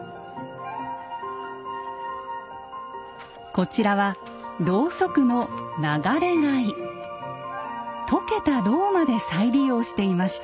こちらはロウソクの溶けたロウまで再利用していました。